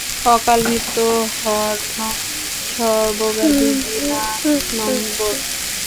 অকালমৃত্যু-হরণং সর্বব্যাধি-বিনাশনম্বর।